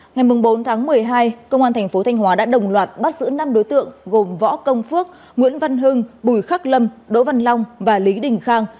ngày bốn tháng một mươi hai công an thành phố thanh hóa đã đồng loạt bắt giữ năm đối tượng gồm võ công phước nguyễn văn hưng bùi khắc lâm đỗ văn long và lý đình khang